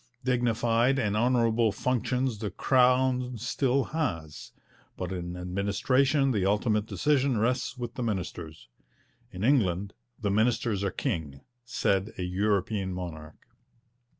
Dignified and honourable functions the Crown still has; but in administration the ultimate decision rests with the ministers. 'In England the ministers are king,' said a European monarch.